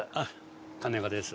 金子です。